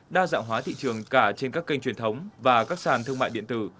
đa dạng hóa thị trường cả trên các kênh truyền thống và các sàn thương mại điện tử